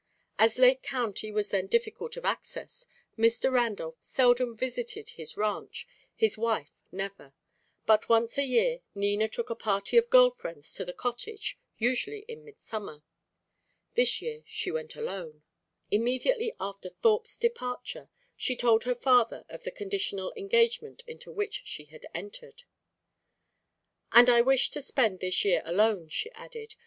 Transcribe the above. As Lake County was then difficult of access, Mr. Randolph seldom visited his ranch, his wife never; but once a year Nina took a party of girl friends to the cottage, usually in mid summer. This year she went alone. Immediately after Thorpe's departure she told her father of the conditional engagement into which she had entered. "And I wish to spend this year alone," she added.